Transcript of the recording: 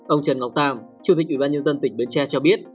ông trần ngọc tam chủ tịch ủy ban nhân dân tỉnh bến tre cho biết